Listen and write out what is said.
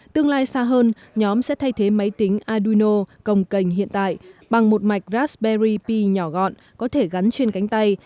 tương lai xa hơn nhóm sẽ thay thế máy tính arduino còng cành hiện tại bằng một mạch raspberry pi nhỏ gọn có thể gắn trên cánh tay